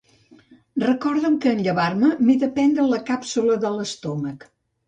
Recorda'm que en llevar-me m'he de prendre la càpsula de l'estómac.